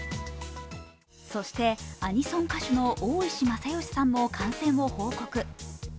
そしてアニソン歌手のオーイシマサヨシさんも感染を報告。